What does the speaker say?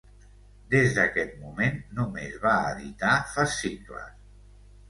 Des d'aquest moment, només va editar fascicles.